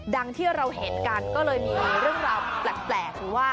ดังที่เราเห็นกันก็เลยมีเรื่องราวแปลก